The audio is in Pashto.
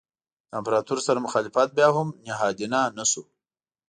د امپراتور سره مخالفت بیا هم نهادینه نه شو.